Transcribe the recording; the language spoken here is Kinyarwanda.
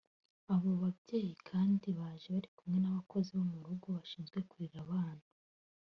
Abo babyeyi kandi baje bari kumwe n’abakozi bo mu rugo bashinzwe kurera abana